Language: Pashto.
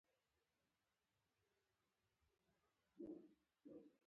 د اوږې د درد لپاره د یخ کڅوړه وکاروئ